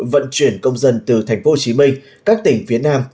vận chuyển công dân từ thành phố hồ chí minh các tỉnh phía nam